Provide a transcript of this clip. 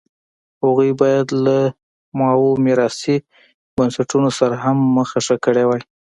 هغوی باید له ماوو میراثي بنسټونو سره هم مخه ښه کړې وای.